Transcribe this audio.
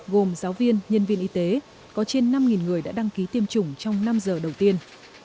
gồm giáo viên nhân viên y tế có trên năm người đã đăng ký tiêm chủng trong năm giờ đầu tiên